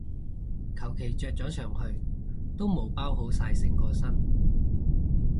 求其着咗上去都冇包好晒成個身